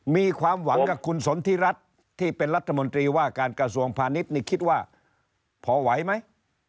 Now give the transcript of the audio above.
มีความหวังกับคุณสนทิรัฐที่เป็นรัฐมนตรีว่าการกระทรวงพาณิชย์นี่คิดว่าพอไหวไหม